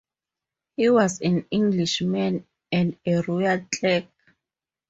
He was an Englishman, and a royal clerk.